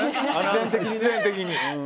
必然的に。